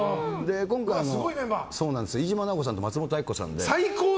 今回、飯島直子さんと松本明子さんで。